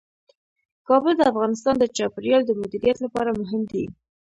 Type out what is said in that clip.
کابل د افغانستان د چاپیریال د مدیریت لپاره مهم دي.